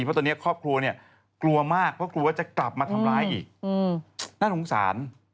เพราะตอนนี้ครอบครัวเนี่ยกลัวมากเพราะกลัวจะกลับมาทำร้ายอีกน่าสงสาร